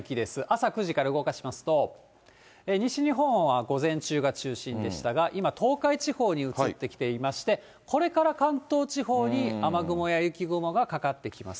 朝９時から動かしますと、西日本は午前中が中心でしたが、今、東海地方に移ってきていまして、これから関東地方に、雨雲や雪雲がかかってきます。